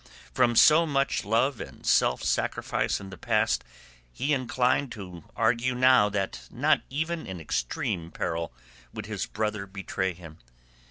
From so much love and self sacrifice in the past he inclined to argue now that not even in extreme peril would his brother betray him.